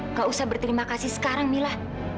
nggak usah berterima kasih sekarang mila